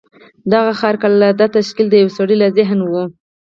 دغه خارق العاده تشکیل د یوه سړي له ذهنه و